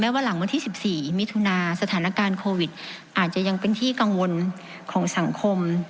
ว่าหลังวันที่๑๔มิถุนาสถานการณ์โควิดอาจจะยังเป็นที่กังวลของสังคม